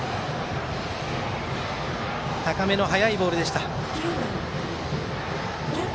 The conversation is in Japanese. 高めの速いボールでした。